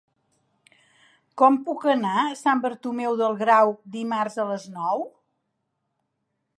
Com puc anar a Sant Bartomeu del Grau dimarts a les nou?